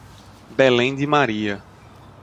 Belém de Maria